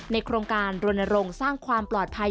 ในโครงการบริโนโลงสร้างความปลอดภัย